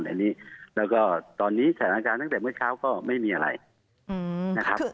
อันนี้แล้วก็ตอนนี้สถานการณ์ตั้งแต่เมื่อเช้าก็ไม่มีอะไรนะครับ